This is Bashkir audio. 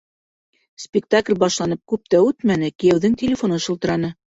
Спектакль башланып, күп тә үтмәне, кейәүҙең телефоны шылтыраны.